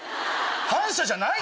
反社じゃないの？